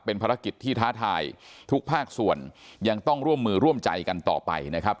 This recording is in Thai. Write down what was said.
เป็นภารกิจที่ท้าทายทุกภาคส่วนยังต้องร่วมมือร่วมใจกันต่อไปนะครับ